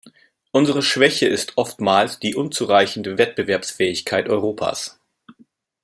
Unsere Schwäche ist oftmals die unzureichende Wettbewerbsfähigkeit Europas.